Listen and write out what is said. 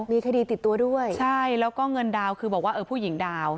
มีคดีติดตัวด้วยใช่แล้วก็เงินดาวคือบอกว่าเออผู้หญิงดาว